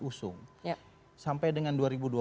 usung sampai dengan